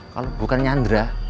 kalau bukan nyandra